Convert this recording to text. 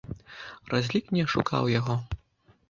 Разлік не ашукаў яго.